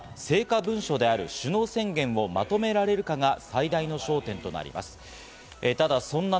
最終日の今日は成果文書である首脳宣言をまとめられるかが最大の焦点となります。